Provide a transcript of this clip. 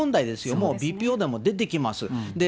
もうＢＰＯでも出てきます。